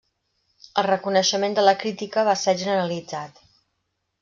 El reconeixement de la crítica va ser generalitzat.